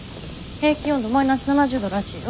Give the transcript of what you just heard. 平均温度マイナス７０度らしいよ。